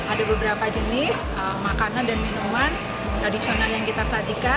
ada beberapa jenis makanan dan minuman tradisional yang kita sajikan